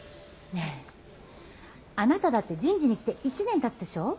ねぇあなただって人事に来て１年たつでしょ？